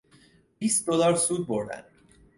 بیست دلار سود بردن